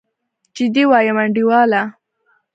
جدي وايم انډيواله.